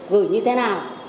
gửi như thế nào